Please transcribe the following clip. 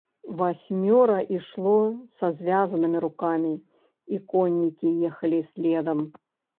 Васьмёра ішло са звязанымі рукамі, і коннікі ехалі следам.